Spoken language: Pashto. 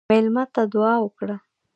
مېلمه ته دعا وکړه.